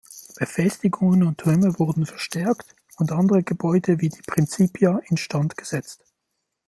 Befestigungen und Türmen wurden verstärkt und andere Gebäude wie die "Principia" instand gesetzt.